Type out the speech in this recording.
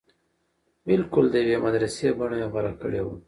بلکل د يوې مدرسې بنه يې غوره کړې وه.